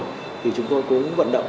thì chúng tôi cũng vận động